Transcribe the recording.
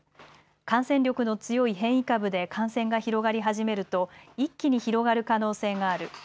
感染力の強い変異株で感染が広がり始めると、一気に広がる可能性がある。